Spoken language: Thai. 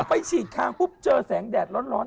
พอบอกไปฉีดคางเจอแสงแดดร้อน